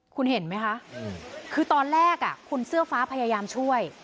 คุณเห็นไหมคะคือตอนแรกคุณเสื้อฟ้าพยายามช่วย